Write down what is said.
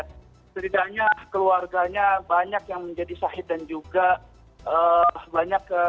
dan juga terdapat banyak dari keluarganya yang jahit dan juga banyak